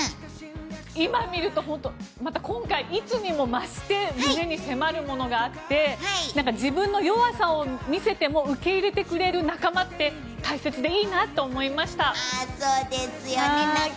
今、見ると本当に今回またいつにも増して胸に迫るものがあって自分の弱さを見せても受け入れてくれる仲間って大切でいいなと思いました。